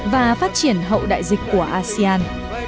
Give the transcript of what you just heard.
và phát triển hậu đại dịch của asean